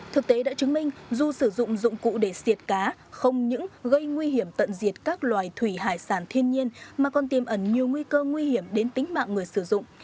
thực tế đã chứng minh dù sử dụng dụng cụ để siệt cá không những gây nguy hiểm tận diệt các loài thủy hải sản thiên nhiên mà còn tiêm ẩn nhiều nguy cơ nguy hiểm đến tính mạng người sử dụng